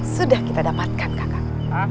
sudah kita dapatkan kakak